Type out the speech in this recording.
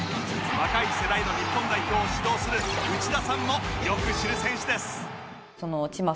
若い世代の日本代表を指導する内田さんもよく知る選手です